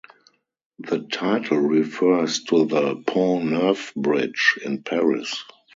The title refers to the Pont Neuf bridge in Paris.